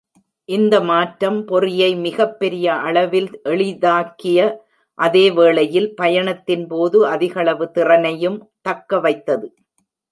இந்த மாற்றம் பொறியை மிகப் பெரிய அளவில் எளிதாக்கிய அதே வேளையில், பயணத்தின் போது அதிகளவு திறனையும் தக்க வைத்தது.